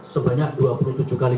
sebanyak dua puluh tujuh kali